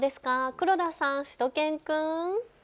黒田さん、しゅと犬くん。